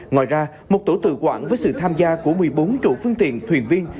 ngoài ra một tổ tự quản với sự tham gia của một mươi bốn chủ phương tiện thuyền viên